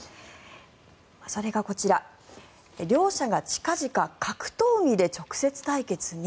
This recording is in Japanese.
それがこちら、両者が近々格闘技で直接対決に？